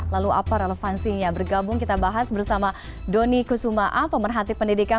lalu apa relevansinya bergabung kita bahas bersama doni kusumaa pemerhati pendidikan